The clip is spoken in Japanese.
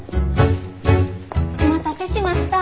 お待たせしました。